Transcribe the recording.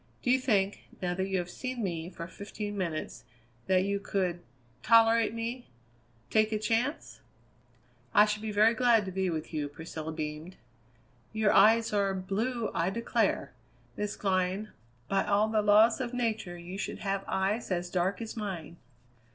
Do you think, now that you have seen me for fifteen minutes, that you could tolerate me; take the chance?" "I should be very glad to be with you." Priscilla beamed. "Your eyes are blue, I declare! Miss Glynn, by all the laws of nature you should have eyes as dark as mine."